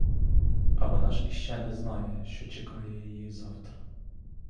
А вона ж іще не знає, що чекає її завтра!